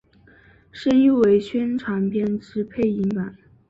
声优为宣传片之配音版。